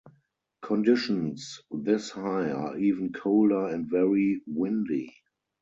Conditions this high are even colder and very windy.